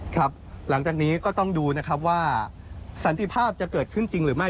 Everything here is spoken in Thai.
ครับหลังจากนี้ก็ต้องดูนะครับว่าสันติภาพจะเกิดขึ้นจริงหรือไม่